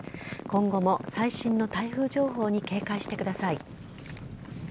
今後も最新の台風情報に警戒してください。